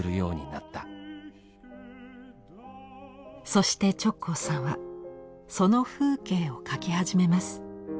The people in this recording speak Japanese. そして直行さんはその風景を描き始めます。